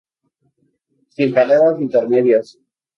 Sin paradas intermedias.